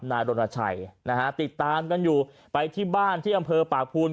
นายรณชัยนะฮะติดตามกันอยู่ไปที่บ้านที่อำเภอปากภูน